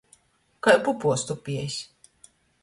Kai pupuos tupiejs.